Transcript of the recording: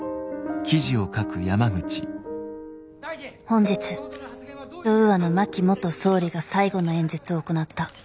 本日ウーアの真木元総理が最後の演説を行った。